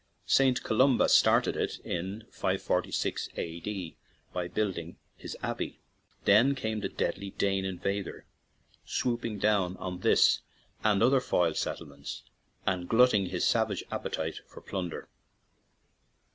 Saint Columba started it in 546 A.D. by building his abbey. Then came the deadly Dane invader, swoop ing down on this and other Foyle settle ments and glutting his savage appetite for plunder.